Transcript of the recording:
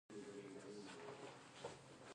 د پرمختیا کلیمه په بېلا بېلو بڼو تعریف شوې ده.